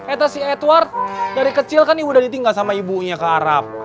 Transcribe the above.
itu si edward dari kecil kan dia udah ditinggal sama ibunya kan